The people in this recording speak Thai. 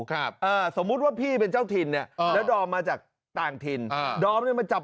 แล้วแดนเซอร์ออกมาช่องดรอมไม่พอใจ